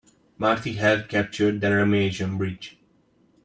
Marty helped capture the Remagen Bridge.